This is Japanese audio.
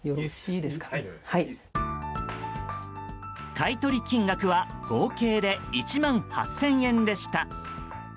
買い取り金額は合計で１万８０００円でした。